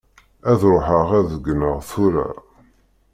Ad ruḥeɣ ad gneɣ tura.